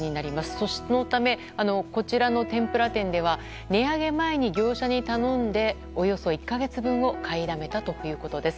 そのため、こちらの天ぷら店では値上げ前に業者に頼んでおよそ１か月分を買いだめたということです。